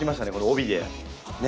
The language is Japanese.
帯でね